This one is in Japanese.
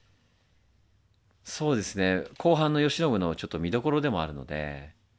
そうですね後半の慶喜のちょっと見どころでもあるので。